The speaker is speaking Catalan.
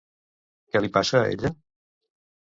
Què li passa a ella?